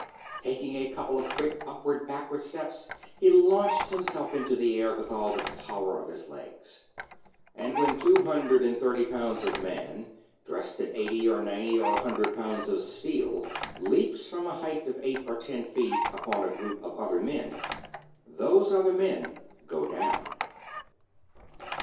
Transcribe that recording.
Taking a couple of quick, upward, backward steps, he launched himself into the air with all the power of his legs. And when two hundred and thirty pounds of man, dressed in eighty or ninety or a hundred pounds of steel, leaps from a height of eight or ten feet upon a group of other men, those other men go down.